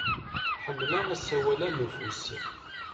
Ḥemmleɣ asawal-a n ufus.